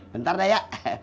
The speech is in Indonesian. bentar deh ya